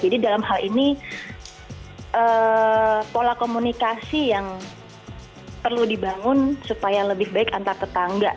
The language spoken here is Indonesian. jadi dalam hal ini pola komunikasi yang perlu dibangun supaya lebih baik antar tetangga